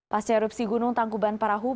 pas erupsi gunung tangkuban parahu